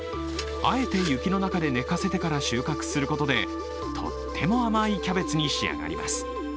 あえて雪の中で寝かせてから収穫することでとっても甘いキャベツに仕上がります。